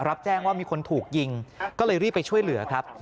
รับแจ้งว่ามีคนถูกยิงก็เลยรีบไปช่วยเหลือครับ